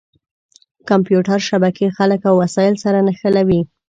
کمپیوټر شبکې خلک او وسایل سره نښلوي.